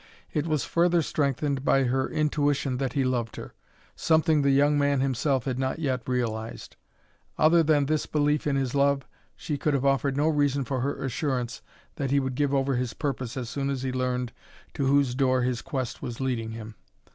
It was further strengthened by her intuition that he loved her something the young man himself had not yet realized. Other than this belief in his love she could have offered no reason for her assurance that he would give over his purpose as soon as he learned to whose door his quest was leading him.